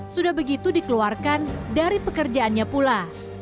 sudah begitu dikeluarkan dari pekerjaannya pula